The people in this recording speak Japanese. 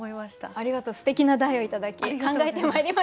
ありがとうすてきな題を頂き考えてまいりました。